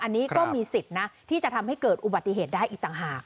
อันนี้ก็มีสิทธิ์นะที่จะทำให้เกิดอุบัติเหตุได้อีกต่างหาก